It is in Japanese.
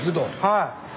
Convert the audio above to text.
はい。